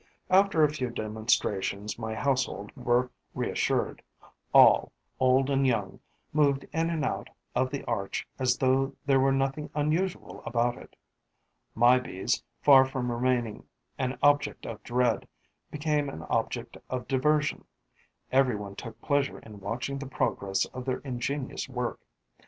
After a few demonstrations, my household were reassured: all, old and young, moved in and out of the arch as though there were nothing unusual about it. My Bees, far from remaining an object of dread, became an object of diversion; every one took pleasure in watching the progress of their ingenious work.